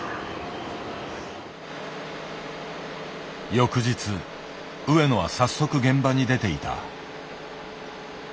翌日上野は早速現場に出ていた。